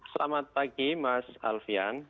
selamat pagi mas alfian